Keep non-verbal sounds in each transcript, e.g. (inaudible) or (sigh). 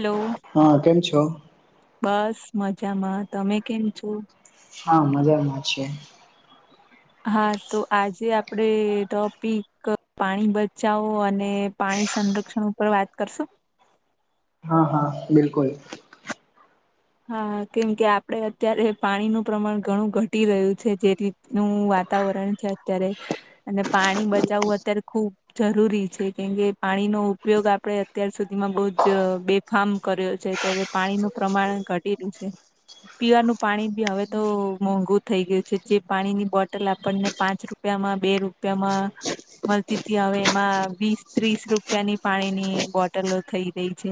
Hello હા કેમ છો. બસ મજામાં તમે કેમ છો. હા મજામાં છે. (inaudible) હા તો આજે આપડ ટોપિક પાણી બચાવો અને. પાણી સંરક્ષણ ઉપર વાત કરશો. હા હા બિલકુલ. હા કેમ કે આપડે અત્યારે પાણીનું પ્રમાણ ઘણું ઘટી રહ્યું છે જેથી. નું વાતાવરણ છે અત્યારે અને પાણી બચાવવું અત્યારે ખુબ. જરૂરી છે કેમકે પાણીનો ઉપયોગ આપણે અત્યાર સુધીમાં બહુ જ બેફામ કર્યો છે તો હવે. પાણીનું પ્રમાણ ઘટીલ્યું છે. પીવાનું પાણી બી હવે તો મોંઘુ થઈ ગયું છે જે પાણી ની બોટલ આપણને પાંચ રૂપ. રૂપિયામાં બે રૂપિયામાં મળતીથી હવે એમાં વીસ ત્રીસ રૂપિયાની પાણીની બોટલો થઈ રઈ છે.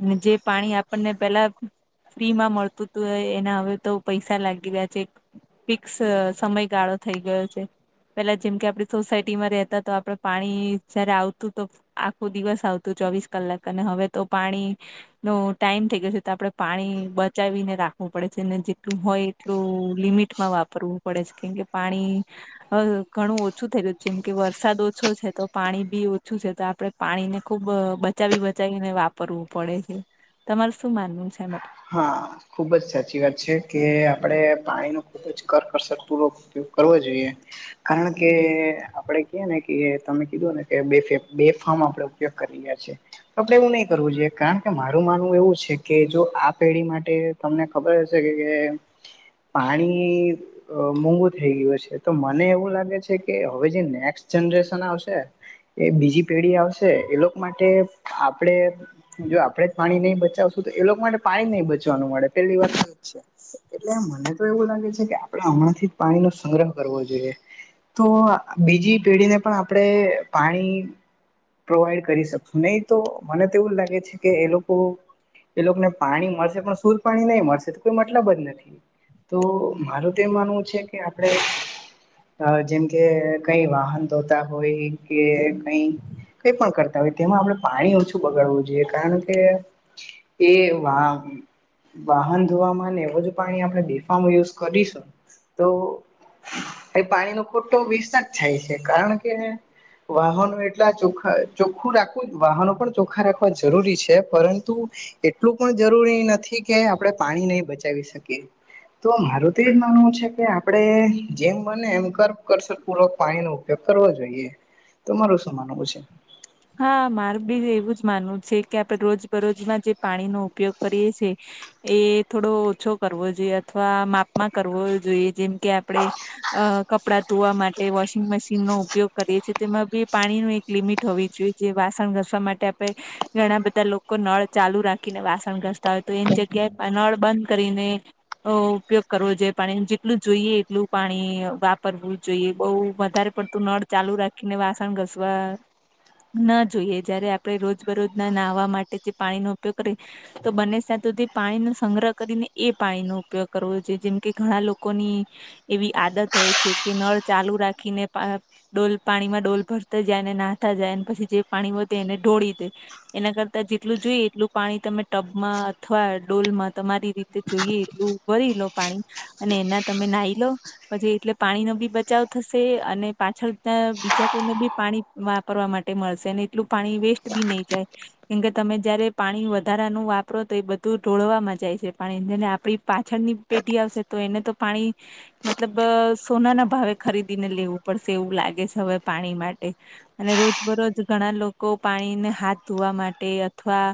અને જે પાણી આપણને પેલા ફ્રી માં મળતું તુંય એના હવે તો પૈસા લાગી રહ્યા છે ફિક્સ સમયગાળો થઈ ગયો છે. પેલા જેમ કે આપડી સોસાયટીમાં રહેતા તો આપડે પાણી જયારે આવતું તો આખું દિવસ આવતું ચોવીસ કલાક અને હવે તો પાણી નો ટાઈમ થઈ ગયો છે તો આપડ પાણી બચાવીને રાખવું પડે છે અને જેટલું હોય એટલું લિમિટમાં વાપ ફરવું પડે છે કેમ કે પાણી હ ઘણું ઓછું થઈ રહું છે જેમ કે વરસાદ ઓછો છે તો પાણી બી ઓછું છે તો આપડે પાણી ને ખુબ બચાવી બચાવીને વાપરવું પડે છે તમાર શું માનવું છે એ માટે હા ખુબ જ સાચી વાત છે કે આપણે પાણી ન ખુબ જ કરકસટ પૂરો તો કરવો જોઈએ કારણ કે આપડે કએ ને કે તમે કીધુંને કે બે બેફામ આપડે ઉપયોગ કરી રહ્યા છીએ આપડે એવું નહી કરવું જોઈએ કારણ કે મારું માનવું એવું છે કે જો આ પેઢી માટે તમને ખબર હશે કે કે પાણી અ મોઘુ થઈ ગયું છે તો મને એવું લાગે છે કે હવે જે નેક્સ્ટ જનરેશન આવશે એ બીજી પેઢી આવશે એ લોકો માટે આપડે જો આપડે પાણી નહી બચાવશું તો એ લોકો માટે પાણી નહી બચવાનું મળે પેલી વાત તો જ છે. એટલે મને તો એવું લાગે છે કે આપડે હમણાં જ પાણી નો સંગ્રહ કરવો જોઈએ. તો બીજી પેઢીને પણ આપણે પાણી પ્રોવાઈડ કરી શકશું નહી તો મને તો એવું જ લાગે છે કે એ લોકો એ લોકોને પાણી મળશે પણ સુધા પાણી નહી મળશે તો કોઈ મતલબ જ નથી. તો મારું તો એ માનવું છે કે આપડે અ જેમ કે કઈ વાહન ધોતા હોય કે કઈ કઈ પણ કરતા હોય તેમાં આપણે પાણી ઓછું બગાડવું જોઈએ કારણ કે એ વાહ વાહન ધોવામાં ને એવું જ પાણી આપણે બેફામો યુઝ કરીશું તો એ પાણી નો ખોટો વિસ જ થાય છે કારણ કે વાહનો એટલા ચોખા ચોખ્ખું રાખવું વાહનો પણ ચોખા રાખવા જરૂરી છે પરંતુ એટલું પણ જરૂરી નથી કે આપણે પાણી નહી બચાવી શકીએ. તો મારું તો એજ માનવું છે કે આપડે જેમ બને એમ કર કરશું પૂરો પાણી નું ઉપયોગ કરવો જોઈએ તો મારું શું માનવું છે. હા મારે બી એવું જ માનવું છે કે આપડે રોજ બરોજમાં જે પાણીનો ઉપયોગ કરીએ છે. એ થોડો ઓછો કરવો જોઈએ અથવા માપ માં કરવો જોઈએ જેમ કે આપડે અ કપડા ધોવા માટે વોશિંગ મશીનનો ઉપ ઉપયોગ કરીએ છીએ તેમાં બી પાણી નો એક લિમિટ હોવી જે જે વાસણ ઘસવા માટે આપણે ઘણા બધા લોકો નળ ચાલુ રાખીને વાસણ ઘસ તા તો એન જગ્યાએ પ નળ બંધ કરીને ઓ ઉપયોગ કરવો જોઈએ પાણી જેટલું જોઈએ એટલું પાણી વાપરવું જોઈએ બહુ વધારે પડ તું નળ ચાલુ રાખીને વાસણ ઘસવા ના જોઈએ જયારે આપણે રોજ બરોજ ના નાહવા માટે જે પાણીનો ઉપયોગ કરીએ તો બંને સાત સુધી પાણી ન સંગ્રહ કરીને એ પાણીનો ઉપયોગ કરવો જોઈએ જેમ કે ઘણા લોકોની એવી આદત હોય છે કે નળ ચાલુ રાખીને પણ ડોલ પાણીમાં ડોલ ભરતા જાયને નાહતા જાય પછી જે પાણીમાં એને ઢોળી દે. એના કરતા જેટલું જોઈએ એટલું પાણી તમે ટબમાં અથવા ડોલમાં તમારી રીતે જોઈએ એટલું ભરી લો પાણી અને એના તમે નાહી લો પછી એટલે પાણી નો બી બચાવ થશે અને પાછળ ત બીજા કોઈને બી પાણી વા વાપરવા માટે મળશે અને એટલું પાણી વેસ્ટ બી નહી જાય. કેમ કે તમે જયારે પાણી વધારા નું વાપરો તો એ બધું ઢોળવાવામાં જાય છે પણ જેને આપણી પાછળની પેટી આવશે તો એને તો પાણી મતલબ સોનાના ભાવે ખરીદીને લેવું પડશે એવું લાગે છે હવે પાણી માટે. અને રોજ બરોજ ઘણા લોકો પાણીને હાથ ધોવા માટે અથવા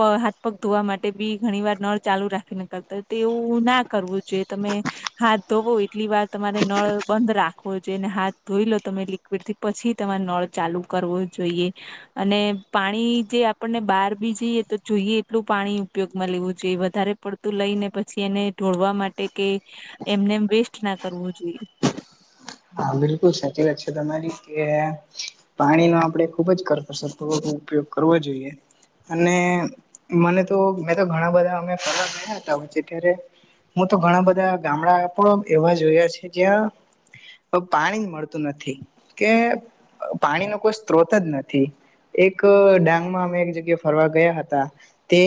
પા હાથ પગ ધોવા માટે બી ઘણી વાર નળ ચાલુ રાખી નેકળતા હોય તો એવું ના કરવું જોઈએ તમે હાથ ધોવો એટલી વાર તમારે નળ બંધ રાખવો જેને હાથ ધોઈ લો તમે લિક્વિડથી પછી તમારે નળ ચાલુ કરવો જોઈએ. અને પાણી જે આપણને બહાર બી જઈએ તો જોઈએ એટલું પાણી ઉપયોગમાં લેવું જોઈએ વધારે પડતું લઈ ને પછી એને ઢોળવા માટે કે એમને એમ વેસ્ટ ના કરવું જોઈએ. હા બિલકુલ સાચી વાત છે તમારી કે પાણીનો આપડે ખુબ જ કરકસ તો ઉપયોગ કરવો જોઈએ. અને મને તો મે તો ઘણા બધા અમે ફરવા ગયા હતા ત્યારે હું તો ઘણા બધા ગામડા પણ એવા જોયા છે જ્યાં પાણી જ મળતું નથી કે પાણીનો કોઈ સ્ત્રોત જ નથી. એક ડાંગમાં અમે એક જગ્યા ફરવા ગયા હતા તે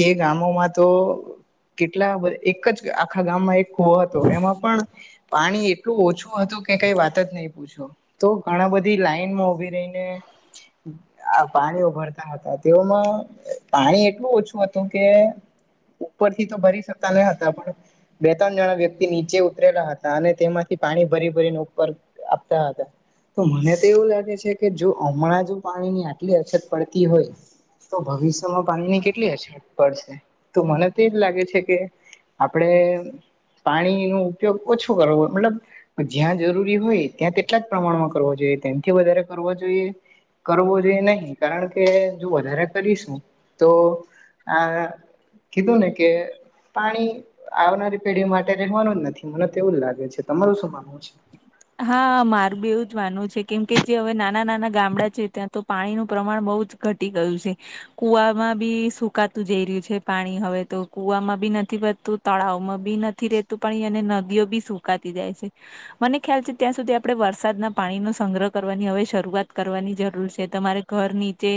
તે ગામોમાં તો કેટલા એક જ આખા ગામમાં એક ખોવાતો એમાં પણ પાણી એટલું ઓછું હતું કે કઈ વાત જ નહી પૂછો. તો ઘણા બધી લાઈનમાં ઉભી રહીને આ પાણી ઉભરતા હતા તેઓમાં પાણી એટલું ઓછું હતું કે ઉપરથી તો ભરી શકતા ના હતા પણ બે ત્રણ જણા વ્યક્તિ નીચે ઉતરેલા હતા અને તેમાંથી પાણી ભરી ભરીને ઉપર આપતા હતા. તો મને તો એવું લાગે છે કે જો હમણાં જ પાણીની આટલી અછત પડતી હોય. તો ભવિષ્યમાં પાણી ની કેટલી અછરત પડશે તો મને તો એજ લાગે છે, કે આપડે પાણી ન ઉપયોગ ઓછો કરવો મતલબ જ્યાં જરૂરી હોય ત્યાં તેટલા જ પ્રમાણમાં કર જોઈએ તેમથી વધારે કર જોઈએ કરવો જોએ નહી કારણ કે જો વધારે કરીશું તો આ કીધું ને કે પાણી આવનારી પેઢી માટે રહેવાનું જ નથી મને તેવું જ લાગે છે તમારું શું માનવું છે. હા માર બી એવું જ માનવું છે કેમ કે જે હવે નાના નાના ગામડા છે ત્યાં તો પાણીનું પ્રમાણ બહુ જ. ઘટી ગયું છે. કુવામાં બી સુકાતું જઈ રહ્યું છે પાણી હવે તો કુવામાં બી નથી વધતું તળાવમાં બી નથી રેતું પણ અને નદીઓ બી સુકાતી જાય છે મને. ખ્યાલ છે ત્યાં સુધી આપણે વરસાદના પાણીનોો સંગ્રહ કરવાની હવે શરૂઆત કરવાની જરૂર છે, તમારે ઘર નીચે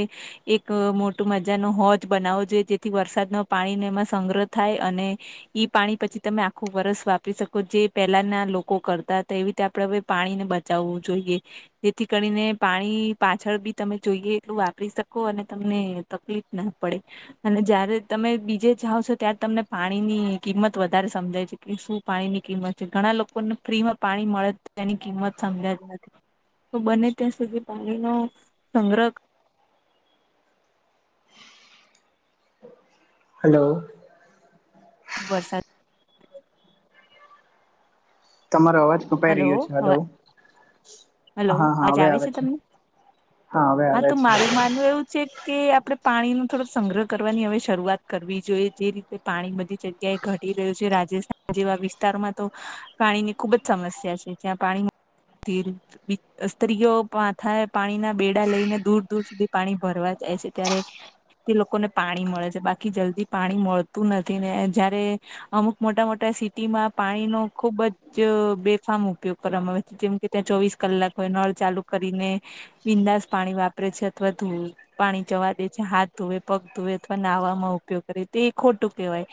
એક મોટું મજાનો હોજ બનાવવો જોઈએ જેથી વરસાદના પાણીને એમાં સંગ્રહ થાય અને ઈ પાણી પછી તમે આખું વરસ વાપરી શકો જે પેલાના લોકો કરતા તો એવી રીતે આપડણે હવે પાણી ને બચાવવું જોઈએ જેથી કરીને પાણી પાછળ બી તમે જોઈએ એટલું વાપરી શકો અને તમને લીક ના પડે અને જયારે તમે બીજે જાઓ છો ત્યારે તમને પાણી ની કિંમત વધારે સમજાય છે કે શું પાણી ની કિંમત છે ઘણા લોકોને ફ્રીમાં પાણી મળે તેની કિંમત સમજ્યા જ નથી. તો બને ત્યાં સુધી પાણીનો સંગ્રહ. હલો. વરસાદ તમારો અવાજ કપાઈ રહ્યો છે. હલો હલો હા, હા અવાજ હવે આવે છે તમને હા હવે આવે તો છે. મારું માનવું એવું છે કે આપડણે પાણી નો થોડોક સંગ્રહ કરવાની હવે શરૂઆત કરવી જોઈએ જે રીતે. તે પાણી બધી જગ્યાએ ઘટી રહ્યું છે, રાજસ્થાન જેવા વિસ્તારમાં તો પાણી ની ખુબ જ સમસ્યા છે, જ્યાં પાણીર સ્ત્રીઓ પાથા પાણીના બેડા લઈને દૂર દૂર સુધી પાણી ભરવા જાય છે, યારે તે લોકોને પાણી મળે છે બાકી જલ્દી પાણી મળતું નથી ને જયારે અમુક મોટા મોટા સિટીમાં પાણીનો ખુબ જ બેફામ ઉપયોગ કરવામાં આવે છે જેમ કે ત્યાં ચોવીસ કલાક હોય નળ ચાલુ કરીને બિંદાસ પાણી વાપરે છે અથવા ધોવ પાણી જવા દે છે હાથ ધોવે પગ ધોવે અથવા નાહવામાં ઉપયોગ કરે તો એ ખોટું કહેવાય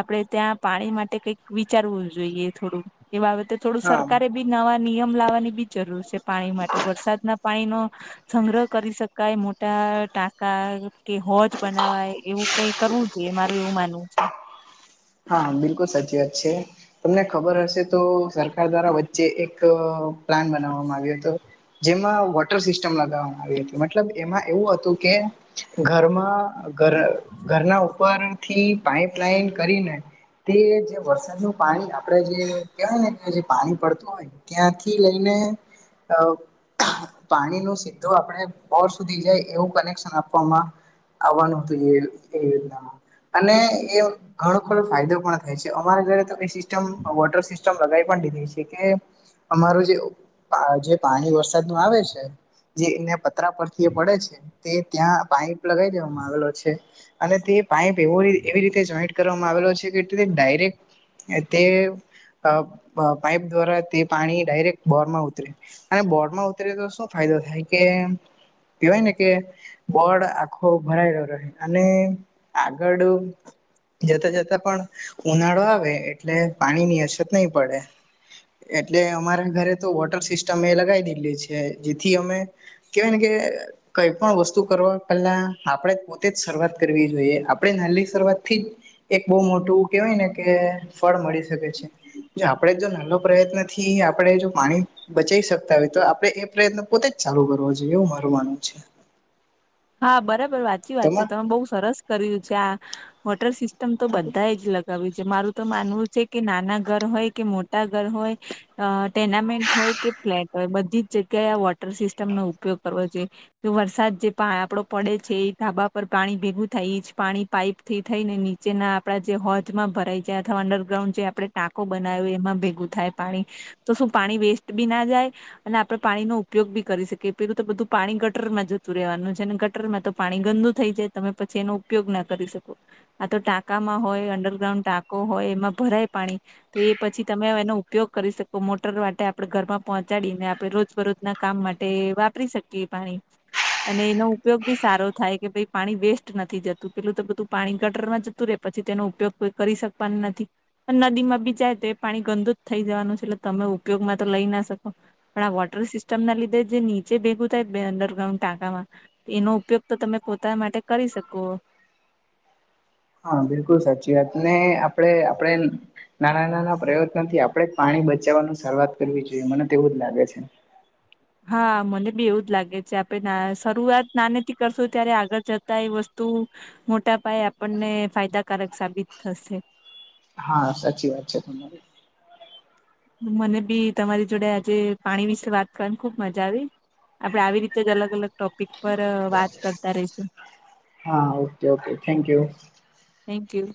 આપણે ત્યાં પાણી માટે કઈક વિચારવું જોઈએ થોડું એ બાબતે થોડું હા સરકારે બી નવા નિયમ લાવવાની બી જરૂર છે પાણી માટે વરસાદના પાણીનો સંગ્રહ કરી શકાય મોટા ટાંકા કે હોજ બનાવાય એવું કઈ કરવું જોઈએ મારું એવું માનવું છે. હા બિલકુલ સાચી વાત છે. તમને ખબર હશે તો સરકાર દ્વારા વચ્ચે એક પ્લાન બનાવવામાં આવ્યો હતો. જેમાં વોટર સિસ્ટમ લગાવવામાં આવી હતી મતલબ એમાં એવું હતું કે ઘરમાં ઘર ઘરના ઉપર થી પાઈપ લઈન કરીને તે જે વરસાદ નું પાણી આપડે જે કહેવાય ને કે જે પાણી પડતું હોય. ત્યાંથી લઈને અ પાણી ન સીધો આપણે બોર સુધી જાય એવું કનેક્શન આપવામાં આવવાનું હતું યોજનામાં અને એ ઘણો ખો ફાયદો થાય છે અમારે ઘરે તો એ સિસ્ટમ વોટર સિસ્ટમ લગાવી પણ દીધી છે કે અમારું જે જે પાણી વરસાદ નું આવે છે જેને. કત્ર પરથી પડે છે તે ત્યાં પાઈપ લગાવ દેવાવામાં આવેલો છે. અને તે પાઈપ એવ એવી રીતે જોઈન્ટ કરવામાં આવેલો છે, કે ડાયરેક્ટ તે પાઈપ દ્વારા તે પાણી ડાયરેક બોર માં ઉતરે અને બોર્ડ માં ઉતરે તો શું ફાયદો થાય કે કવાય ને કે બોળ આખો ભરાય ગયો રહે અને આગળ જતા જતા પણ ઉનાળો આવે એટલે પાણી ની અછત નહી પડે એટલે અમારા ઘરે તો વોટર સિસ્ટમ એ લગાવી દીધલી છે જેથી અમે કેવાન કે કઈ પણ વસ્તુ કરવા પહેલા આપણેે પોતે જ શરૂઆત કરવી જોઈએ આપણે નાની શરૂઆતથી જ. એક બહુ મોટું કેવાય ને કે ફળ મળી શકે છે. જો આપણેે જો નાનો પ્રયત્ન થી આપણેે જો પાણી બચી શકતા હોય તો આપડે એ પ્રયત્ન પોતે જ ચાલુ કરવો જોઈએ એવું મારું માનવું છે. હા બરાબર વાચી વાત છે તમા તમે બહુ સરસ કર્યું છે આ વોટર સિસ્ટમ તો બધા જ લગ ક છે મારું તો માનવું છે કે નાના ઘર હોય કે મોટા ઘર હોય અ ટેર્નામેન્ટ હોય કે ફ્લેટ હોય બધી જ જગ્યાએ આ વોટર સિસ્ટમનોો ઉપયોગ કરવો જોઈએ. તો વરસાદ જે. આપડો પડે છે એ ઢાબા પર પાણી ભેગું થાય ઈ જ પાણી પાઈપ થી થઈ ને નીચ. જેના આપડા જે હોજમાં ભરાઈ જાય અથવા અંડરગ્રાઉન્ડ જે આપણે ટાંકો બનાવ એમાં ભેગું થાય પાણી. તો શું પાણી વેસ્ટ બી ના જાય અને આપણે પાણી નો ઉપયોગ બી કરી શકીએ પેલું તો બધું પાણી ગટર માં જતું રહેવાનું છે. ગટરમાં તો પાણી ગંદુ થઈ જાય તમે પછી એનો ઉપયોગ ના કરી શકો આ તો ટાકામાં હોય અંડરગ્રાઉન્ડ ટાંકો હોય એમાં ભરાય પાણી. તો એ પછી તમે એનો ઉપયોગ કરી શકો મોટર માટે આપડણે ઘરમાં પહોંચાડીને આપડણે રોજબરોજ ના કામ માટે વાપરી શકીએ પાણી. અને એનો ઉપયોગ બી સારો થાય કે ભાઈ પાણી વેસ્ટ નથી જતું પેલું તો બધું પાણી ગટરમાં જતું રે પછી તેનો ઉપયોગ કોઈ કરી શકવાનું નથી. નદીમાં બી જાય તો એ પાણી ગંદુ જ થઈ જવાનું છે એટલે તમે ઉપયોગમાં તો લઈ ના શકો પણ આ વોટર સિસ્ટમ ના લીધે જે નીચે ભેગું થાય બે અંડરગ્રાન્ડ ટાંકામાં એનો ઉપયોગ તો તમે પોતા માટે કરી શકો. હા બિલકુલ સાચી વાત ને આપડે આપણે. નાના નાના પ્રયત્નથી આપણેે પાણી બચાવવાનું શરૂઆત કરવી જોઈએ મને તેવું જ લાગે છે. હા મને બી એવું જ લાગે છે આપણે શરૂઆત નાનીથી કરશું ત્યારે આગળ જતા એ વસ્તુ. મોટા પાયે આપણને ફાયદાકારક સાબિત થશે. હા સાચી વાત છે તમારી. મને બી તમારી જોડે આજે પાણી વિશે વાત કરવાની ખુબ મજા આવી. આપડે આવી રીતે જ અલગ અલગ ટોપિક પર વાત કરતા રહીશું. હા okay okay thank you. Thank you.